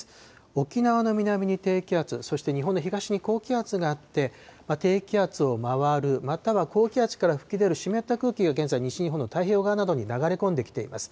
沖縄の南に低気圧、そして日本の東に高気圧があって、低気圧を回る、または高気圧から吹き出る湿った空気が現在、西日本の太平洋側に流れ込んできています。